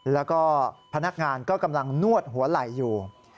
แล้วก็พนักงานก็กำลังนวดหัวไหล่อยู่